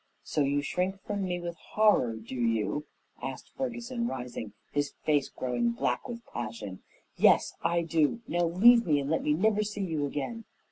"So you shrink from me with horror, do you?" asked Ferguson, rising, his face growing black with passion. "Yes, I do. Now leave me and let me never see you again."